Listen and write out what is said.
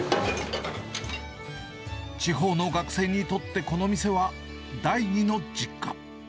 地方の学生にとってこの店は、第２の実家。